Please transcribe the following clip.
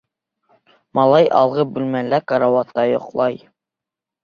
Малай алғы бүлмәлә карауатта йоҡлай.